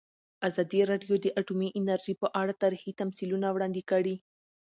ازادي راډیو د اټومي انرژي په اړه تاریخي تمثیلونه وړاندې کړي.